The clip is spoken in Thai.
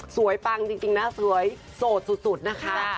ปังจริงนะสวยโสดสุดนะคะ